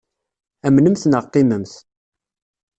Amnemt neɣ qimemt.